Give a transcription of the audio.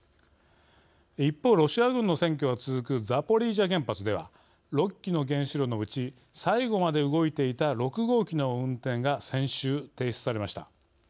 一方、ロシア軍の占拠が続くザポリージャ原発では６基の原子炉のうち最後まで動いていた６号機の運転が先週、停止されました。